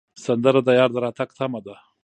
سندره د یار د راتګ تمه ده